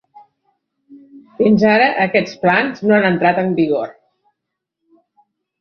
Fins ara, aquests plans no han entrat en vigor.